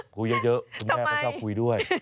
คุยเยอะคุณแม่ก็ชอบคุยด้วย